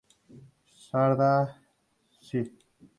Sarda Sci.